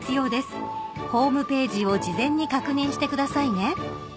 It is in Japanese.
［ホームページを事前に確認してくださいね］